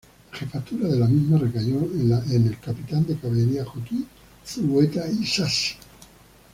La jefatura de la misma recayó en el capitán de caballería Joaquín Zulueta Isasi.